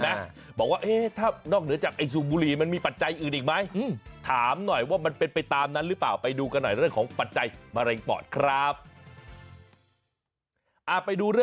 มันจะมีโรคแทรกซ้อนอะไรที่เราก็ต้องดู